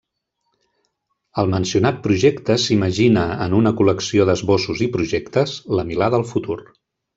Al mencionat projecte s'imagina, en una col·lecció d'esbossos i projectes, la Milà del futur.